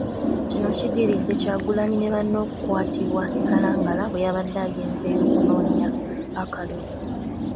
Kino kiddiridde Kyagulanyi ne banne okukwatibwa e Kalangala bwe yabadde agenzeeyo okunoonya akalulu.